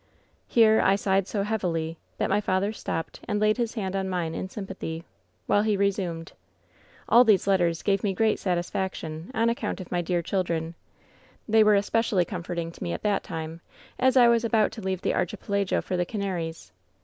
"Here I sighed so heavily that my father stopped, and laid his hand on mine in sympathy, while he re sumed :" ^All these letters gave me great satisfaction, on ac count of my dear children. They were especially com forting to me at that time, as I was about to leave the archipelago for the Canaries.